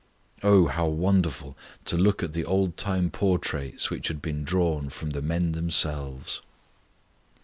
Oh, how wonderful to look at the old time portraits which had been drawn from the men themselves!